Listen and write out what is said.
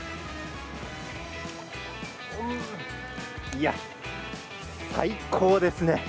いや、最高ですね。